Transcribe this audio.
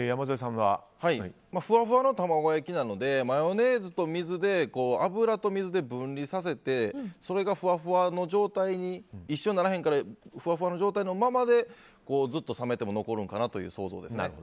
ふわふわの卵焼きなのでマヨネーズと水で油と水で分離させてそれがふわふわの状態に一緒にならへんからふわふわの状態のままでずっと冷めても残るんかなという想像です。